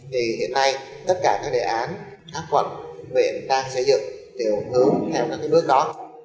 thì hiện nay tất cả các đề án các quận huyện đang xây dựng đều hướng theo các bước đó